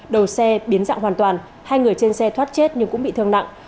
đầu xe biến dạng hoàn toàn hai người trên xe thoát chết nhưng cũng bị thương nặng